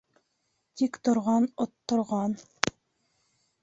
Тик торған отторған